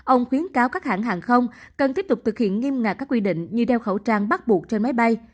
ông khuyến cáo các hãng hàng không cần tiếp tục thực hiện nghiêm ngặt các quy định như đeo khẩu trang bắt buộc trên máy bay